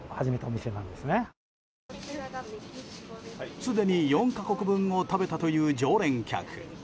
すでに４か国分を食べたという常連客。